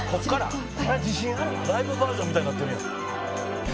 ライブバージョンみたいになってるやん。